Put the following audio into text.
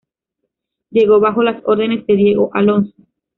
Llegó bajo las órdenes de Diego Alonso.